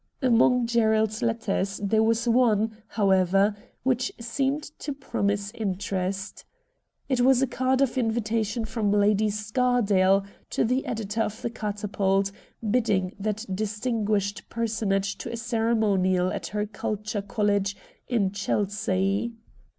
Among Gerald's letters there was one, however, which seemed to promise interest. It was a card of invitation from Lady Scardale to the editor of the ' Catapult,' bidding that distinguished personage to a ceremonial at her Culture College in Chelsea.